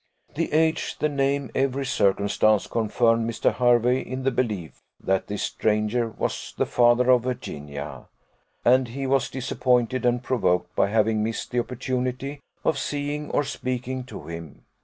The age, the name, every circumstance confirmed Mr. Hervey in the belief that this stranger was the father of Virginia, and he was disappointed and provoked by having missed the opportunity of seeing or speaking to him.